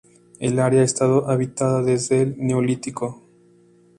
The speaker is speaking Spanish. El área ha estado habitada desde el Neolítico.